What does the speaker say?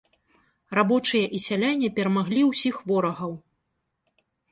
Рабочыя і сяляне перамаглі ўсіх ворагаў.